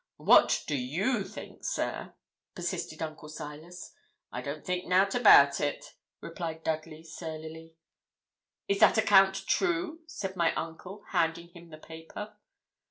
'What do you think, sir?' persisted Uncle Silas. 'I don't think nout about it,' replied Dudley, surlily. 'Is that account true?' said my uncle, handing him the paper.